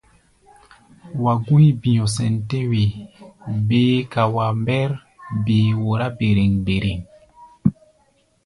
Wa gúí bi̧ɔ̧ sɛn tɛ́ wee, bɛɛ́ ka wa mbɛ́r bɛɛ́ wora béréŋ-béréŋ.